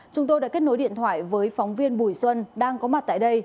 chúng tôi đã kết nối điện thoại với phóng viên bùi xuân đang có mặt tại đây